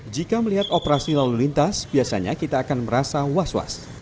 jika melihat operasi lalu lintas biasanya kita akan merasa was was